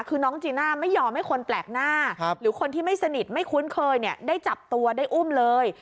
คือน้องจีน่าไม่ยอมให้คนแปลกหน้าหรือคนที่ไม่สนิทไม่คุ้นเคยเนี่ยได้จับตัวได้อุ้มเลย